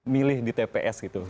milih di tps gitu